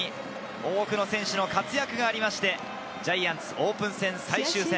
多くの選手の活躍がありまして、ジャイアンツオープン戦最終戦。